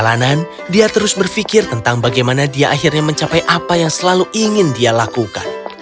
perjalanan dia terus berpikir tentang bagaimana dia akhirnya mencapai apa yang selalu ingin dia lakukan